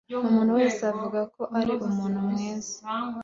Umuntu wese avuga ko ari umuntu mwiza